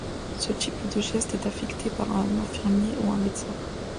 Ce type de geste est effectué par un infirmier ou un médecin.